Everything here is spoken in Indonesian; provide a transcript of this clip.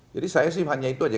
saya sih hanya itu aja